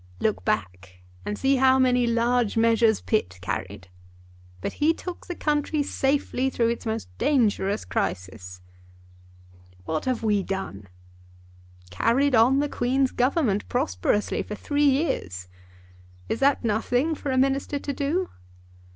Look back and see how many large measures Pitt carried, but he took the country safely through its most dangerous crisis." "What have we done?" "Carried on the Queen's Government prosperously for three years. Is that nothing for a minister to do?